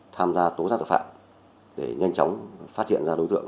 tham gia tố giác tội phạm để nhanh chóng phát hiện ra đối tượng